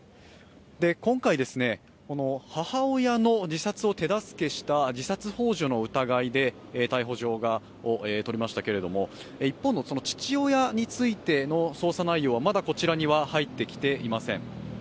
今回、母親の自殺を手助けした自殺ほう助の疑いで逮捕状を取りましたけれども、一方の父親についての捜査内容はまだこちらには入ってきていません。